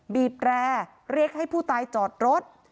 บีบแร่เรียกให้ผู้ตายจอดรถ